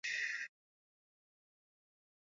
He is very popular in Lithuania and abroad.